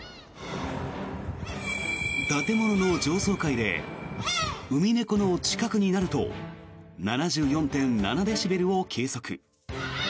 建物の上層階でウミネコの近くになると７４．７デシベルを計測。